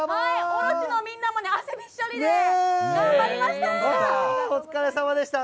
大蛇のみんなも汗びっしょりで頑張りました。